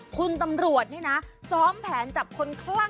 กลับมาตามตอบแบบชัดใน